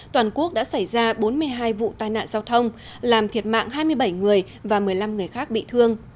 toàn quốc đã xảy ra bốn mươi hai vụ tai nạn giao thông làm thiệt mạng hai mươi bảy người và một mươi năm người khác bị thương